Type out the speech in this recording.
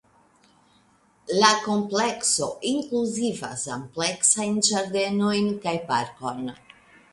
La komplekso inkluzivas ampleksajn ĝardenojn kaj parkon.